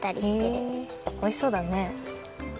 おいしそうだね。